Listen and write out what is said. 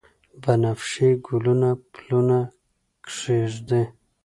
بنفشیې ګلونه پلونه کښیږدي